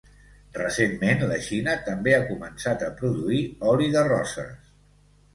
Recentment la Xina també ha començat a produir oli de roses.